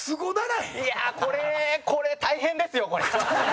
いや、これこれ、大変ですよ、これは。